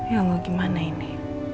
ya allah gimana ini